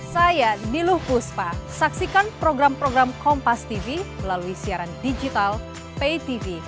saya niluh puspa saksikan program program kompas tv melalui siaran digital pay tv